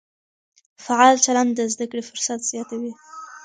فعال چلند د زده کړې فرصت زیاتوي.